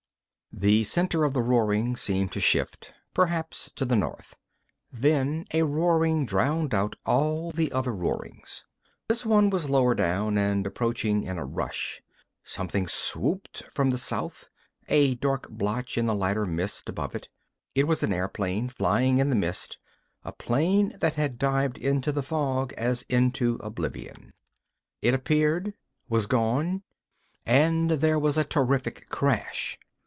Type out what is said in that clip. The center of the roaring seemed to shift, perhaps to the north. Then a roaring drowned out all the other roarings. This one was lower down and approaching in a rush. Something swooped from the south, a dark blotch in the lighter mist above. It was an airplane flying in the mist, a plane that had dived into the fog as into oblivion. It appeared, was gone—and there was a terrific crash.